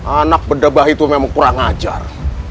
anak bedabah itu memang kurang ajar